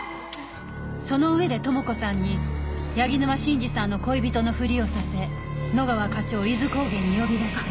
その上で朋子さんに柳沼真治さんの恋人のふりをさせ野川課長を伊豆高原に呼び出した。